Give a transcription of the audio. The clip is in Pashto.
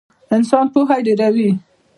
انسان پوهه ډېروي